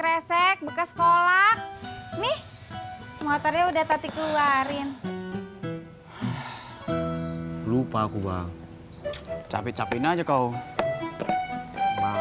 resek bekas kolak nih motornya udah tadi keluarin lupa aku banget capek capek aja kau maaf